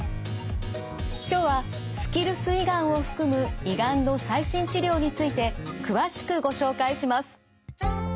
今日はスキルス胃がんを含む胃がんの最新治療について詳しくご紹介します。